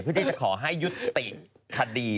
เพื่อที่จะขอให้ยุติคดี